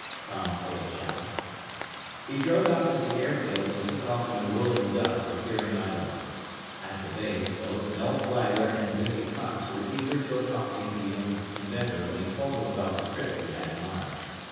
Tom told Chow. He drove out to the airfield and took off in a Whirling Duck for Fearing Island. At the base, both Mel Flagler and Zimby Cox were eager to accompany the young inventor when he told them about the trip he had in mind.